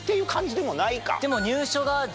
でも。